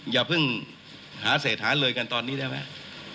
อย่าเพิ่งหาเศษหาเลยกันตอนนี้ได้ไหม